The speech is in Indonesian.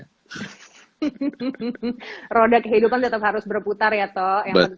hihihi roda kehidupan tetap harus berputar ya toh